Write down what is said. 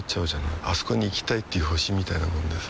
あそこに行きたいっていう星みたいなもんでさ